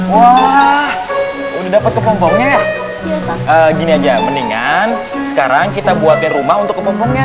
wah udah dapat kepompongnya gini aja mendingan sekarang kita buatin rumah untuk kepompongnya